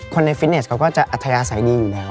ในฟิตเนสเขาก็จะอัธยาศัยดีอยู่แล้ว